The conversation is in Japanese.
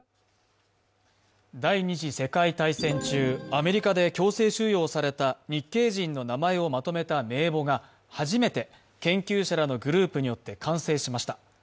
第二次世界大戦中、アメリカで強制収容された日系人の名前をまとめた名簿が初めて研究者らのグループによって完成しました。